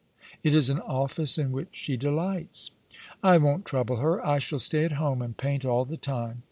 It is an office in which she delights." "I won't trouble her. I shall stay at home, and paint all the time.